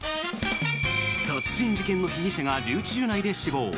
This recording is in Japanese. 殺人事件の被疑者が留置場内で死亡。